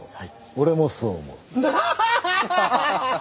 俺もそう思う。